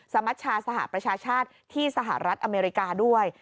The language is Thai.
มัชชาสหประชาชาติที่สหรัฐอเมริกาด้วย